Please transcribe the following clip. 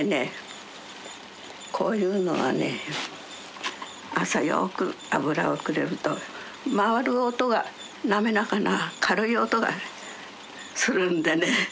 こういうのはね朝よく油をくれると回る音が滑らかな軽い音がするんでね。